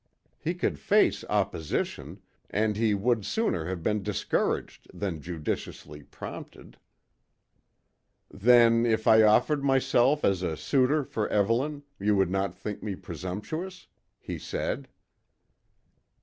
He could face opposition, and he would sooner have been discouraged than judiciously prompted. "Then if I offered myself as a suitor for Evelyn, you would not think me presumptuous?" he said.